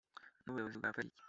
n’ubuyobozi bwa pariki